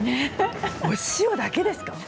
お塩だけですか？